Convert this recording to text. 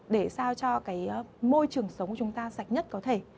để sao cho cái môi trường sống của chúng ta sạch nhất có thể